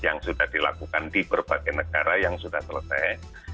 yang sudah dilakukan di berbagai negara yang sudah selesai